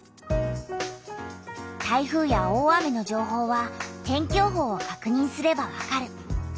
台風や大雨の情報は天気予報をかくにんすればわかる。